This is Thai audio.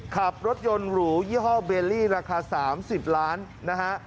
ขับรถยนต์หรูยี่ห้อเบลลี่ราคา๓๐ล้านนะฮะ